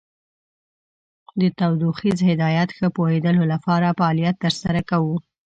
د تودوخیز هدایت ښه پوهیدلو لپاره فعالیت تر سره کوو.